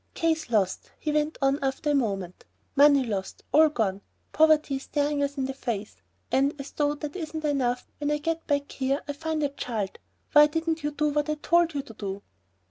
"Case lost," he went on after a moment; "money lost, all gone, poverty staring us in the face. And as though that isn't enough, when I get back here, I find a child. Why didn't you do what I told you to do?"